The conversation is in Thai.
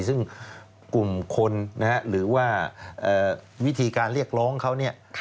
ซึ่งกลุ่มคนนะฮะหรือว่าวิธีการเรียกร้องเขาเนี่ย